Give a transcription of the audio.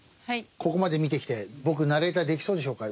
ここまで見てきて僕ナレーターできそうでしょうか？